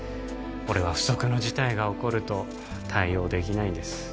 俺は不測の事態が起こると対応できないんです